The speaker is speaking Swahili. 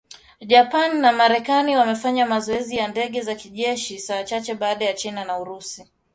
Japan na Marekani wamefanya mazoezi ya ndege za kijeshi saa chache baada ya China na Urusi.